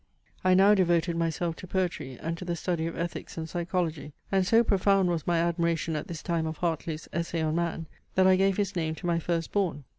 I now devoted myself to poetry and to the study of ethics and psychology; and so profound was my admiration at this time of Hartley's ESSAY ON MAN, that I gave his name to my first born.